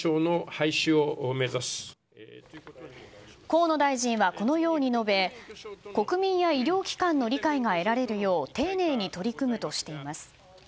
河野大臣は、このように述べ国民や医療機関の理解が得られるよう丁寧に取り組むとしています。